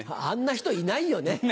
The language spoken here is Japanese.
あんな人いないよね。